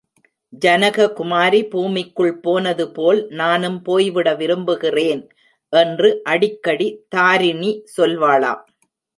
ஜனக குமாரி பூமிக்குள் போனது போல் நானும் போய்விட விரும்புகிறேன்! என்று அடிக்கடி தாரிணி சொல்வாளாம்!